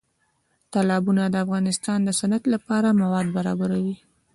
تالابونه د افغانستان د صنعت لپاره مواد برابروي.